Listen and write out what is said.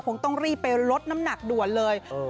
คงต้องรีบไปลดน้ำหนักด่วนเลย